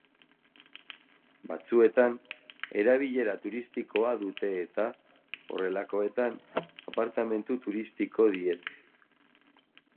Batzuetan erabilera turistikoa dute eta, horrelakoetan, apartamentu turistiko diete.